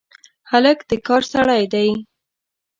هلک د کار سړی دی.